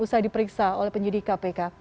usai diperiksa oleh penyidik kpk